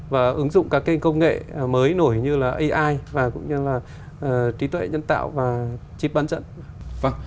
và ứng dụng các cái công nghệ mới nổi như là ai và cũng như là trí tuệ nhân tạo và chip bán dẫn